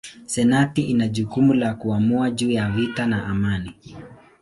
Senati ina jukumu la kuamua juu ya vita na amani.